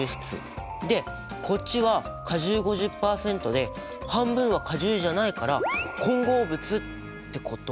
でこっちは果汁５０％で半分は果汁じゃないから混合物ってこと？